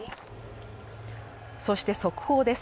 そして速報です。